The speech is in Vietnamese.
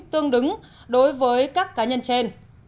tương đứng đối với các cá nhân trên